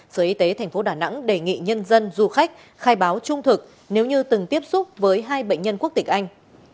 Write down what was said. sở y tế tp đà nẵng đề nghị nhân dân du khách khai báo trung thực nếu như từng tiếp xúc với hai bệnh nhân quốc tịch anh